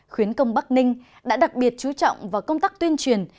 khuyến công bắc ninh đã đặc biệt chú trọng vào công tác tuyên truyền